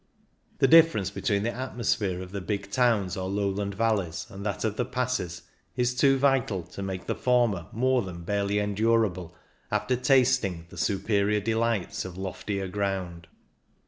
The difference between the atmosphere of the big towns or lowland valleys and that of the passes is too vital to make the former more than barely endurable after tasting the superior delights of loftier ground.